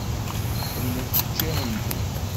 Tḥemmlemt učči ahendi?